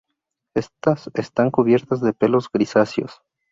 Estas están cubiertas de pelos grisáceos.